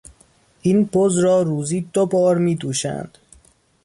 این بز را روزی دوبار میدوشند.